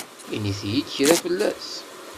Init-yi-d kra fell-as.